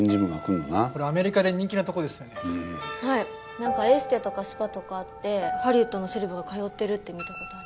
なんかエステとかスパとかあってハリウッドのセレブが通ってるって見た事あります。